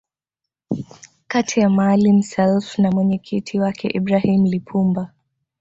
kati ya Maalim Self na mwenyekiti wake Ibrahim Lipumba